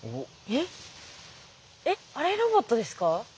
えっあれロボットですか？